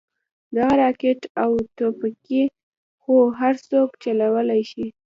دغه راكټ او ټوپكې خو هرسوك چلوې شي.